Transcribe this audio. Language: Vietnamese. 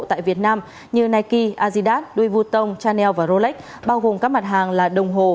tại việt nam như nike adidas duy vu tông chanel và rolex bao gồm các mặt hàng là đồng hồ